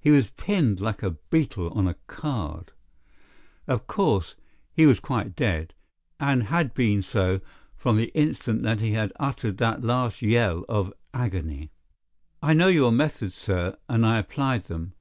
He was pinned like a beetle on a card. Of course, he was quite dead, and had been so from the instant that he had uttered that last yell of agony. "I know your methods, sir, and I applied them.